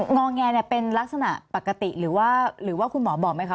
อแงเป็นลักษณะปกติหรือว่าคุณหมอบอกไหมคะ